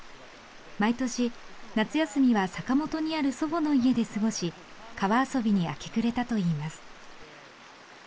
毎年夏休みは坂本にある祖母の家で過ごし川遊びに明け暮れたといいます。